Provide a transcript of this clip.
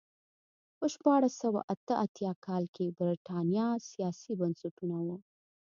په شپاړس سوه اته اتیا کال کې برېټانیا سیاسي بنسټونه وو.